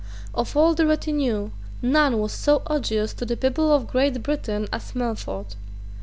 Of all the retinue, none was so odious to the people of Great Britain as Melfort.